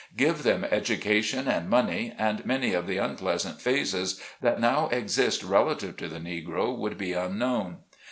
Give them education and money, and many of the unpleasant phases that now exist relative to the Negro would be unknown.